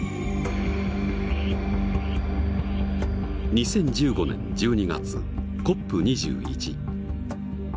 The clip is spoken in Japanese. ２０１５年１２月ＣＯＰ２１。